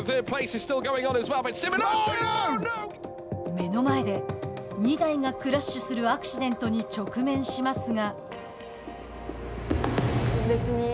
目の前で２台がクラッシュするアクシデントに直面しますが。